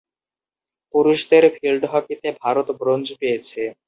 পুরুষদের ফিল্ড হকিতে ভারত ব্রোঞ্জ পেয়েছে।